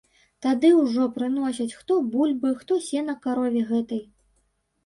Тады ўжо прыносяць хто бульбы, хто сена карове гэтай.